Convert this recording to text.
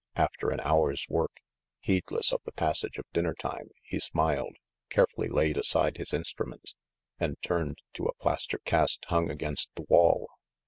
After an hour's work, heedless of the passage of dinner time, he smiled, carefully laid aside his instruments, and turned to a plaster cast hung against the wall.